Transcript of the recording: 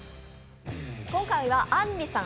今回はあんりさん